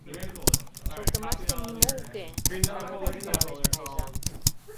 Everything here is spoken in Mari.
Шылтымаштем нимо уке, — шыр-р воштылалеш Найжа.